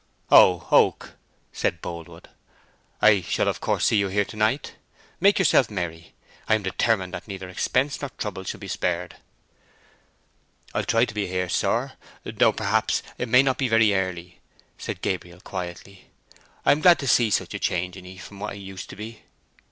"Oh, Oak," said Boldwood. "I shall of course see you here to night. Make yourself merry. I am determined that neither expense nor trouble shall be spared." "I'll try to be here, sir, though perhaps it may not be very early," said Gabriel, quietly. "I am glad indeed to see such a change in 'ee from what it used to be."